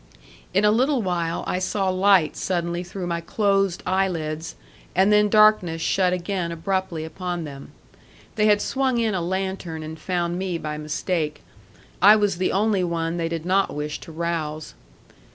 In a little while I saw light suddenly through my closed eyelids, and then darkness shut again abruptly upon them. They had swung in a lantern and found me by mistake. I was the only one they did not wish to rouse.